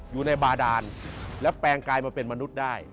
อยู่ในบาดานแล้วแปลงกลายมาเป็นมนุษย์ได้